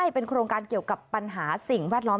เป็นโครงการเกี่ยวกับปัญหาสิ่งแวดล้อม